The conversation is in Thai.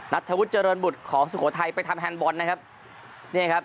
ธวุฒิเจริญบุตรของสุโขทัยไปทำแฮนดบอลนะครับเนี่ยครับ